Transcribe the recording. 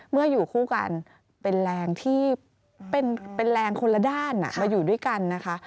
เมื่ออยู่คู่กันเป็นแรงคนละด้านมาอยู่ด้วยกันนะคะ